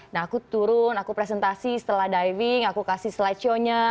nah aku turun aku presentasi setelah diving aku kasih slide show nya